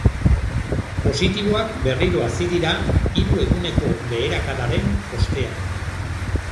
Positiboak berriro hazi dira hiru eguneko beherakadaren ostean.